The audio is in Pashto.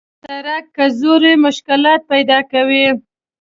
سړک که زوړ وي، مشکلات پیدا کوي.